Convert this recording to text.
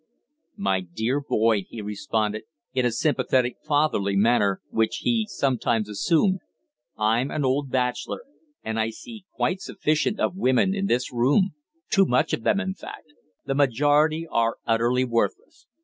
"My dear Boyd," he responded, in a sympathetic fatherly manner, which he sometimes assumed, "I'm an old bachelor, and I see quite sufficient of women in this room too much of them, in fact. The majority are utterly worthless.